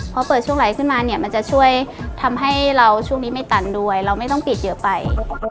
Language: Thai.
พอเปิดช่วงไหลขึ้นมาเนี่ยมันจะช่วยทำให้เราช่วงนี้ไม่ตันด้วยเราไม่ต้องปิดเยอะไป